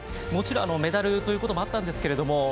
もちろんメダルということもあったんですけれども